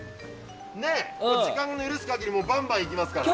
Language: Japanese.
時間の許す限りバンバンいきますから。